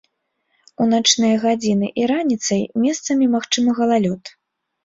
У начныя гадзіны і раніцай месцамі магчымы галалёд.